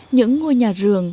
những ngôi nhà rường